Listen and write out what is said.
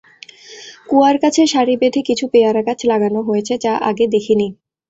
কুয়ার কাছে সারি বেঁধে কিছু পেয়ারা গাছ লাগান হয়েছে, যা আগে দেখি নি।